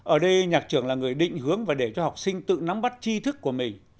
ở đây nhạc trường là người định hướng và để cho học sinh tự nắm bắt chi thức của mình